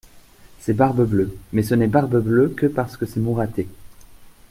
C'est Barbe-Bleue ; mais ce n'est Barbe-Bleue que parce que c'est Mouratet.